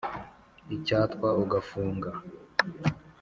icyatwa ugafunga”